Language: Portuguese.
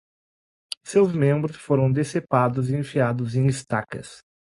Seus membros foram decepados e enfiados em estacas